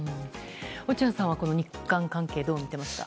落合さんは日韓関係どう見ていますか。